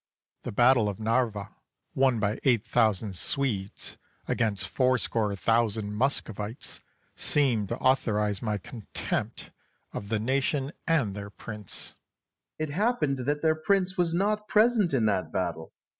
Charles. The battle of Narva, won by eight thousand Swedes against fourscore thousand Muscovites, seemed to authorise my contempt of the nation and their prince. Alexander. It happened that their prince was not present in that battle.